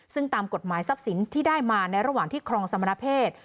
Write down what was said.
ซึ่งตามกฎหมายทรัพย์สินที่ได้มาในระหว่างที่ครองสมณเพศ